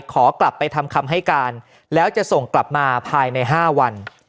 ขอกลับไปทำคำให้การแล้วจะส่งกลับมาภายใน๕วัน